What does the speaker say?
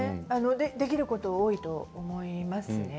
できること多いと思いますね。